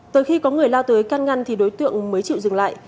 từ khi có người lao tới can ngăn thì đối tượng mới chịu dừng lại